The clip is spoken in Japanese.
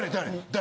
誰？